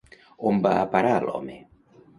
On va anar a parar l'home?